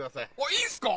いいんすか？